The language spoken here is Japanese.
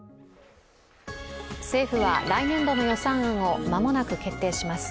政府は来年度の予算案を間もなく決定します。